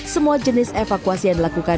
semua jenis evakuasi yang dilakukan